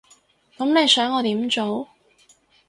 噉你想我點做？